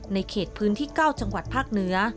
ในเขตพื้นที่เก้าจังหวัดภาคเหนือ